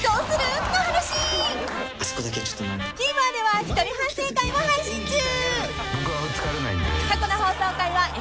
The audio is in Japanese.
［ＴＶｅｒでは一人反省会も配信中］